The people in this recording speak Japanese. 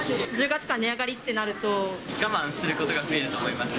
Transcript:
１０月から値上がりってなる我慢することが増えると思います。